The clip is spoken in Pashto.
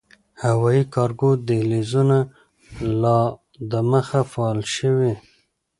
هوايي کارګو دهلېزونه لا دمخه “فعال” شوي